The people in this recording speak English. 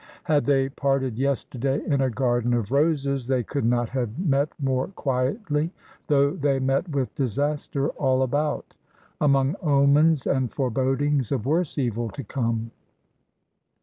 Had they parted yesterday in a garden of roses they could not have met more quietly, though they met with disaster all about, among omens and forebodings of worse evil to come.